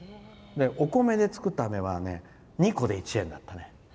お米で作ったあめは２個で１円だった。